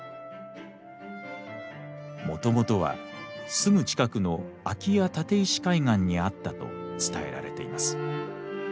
もともとはすぐ近くの秋谷・立石海岸にあったと伝えられています。